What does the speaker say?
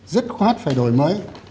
rất khoát phải đổi mới